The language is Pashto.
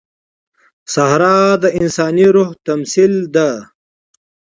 صحرا د انساني روح تمثیل دی.